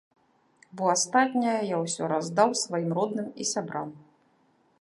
Бо астатняе я ўсё раздаў сваім родным і сябрам.